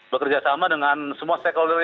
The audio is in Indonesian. bekerjasama dengan semua stakeholder yang memiliki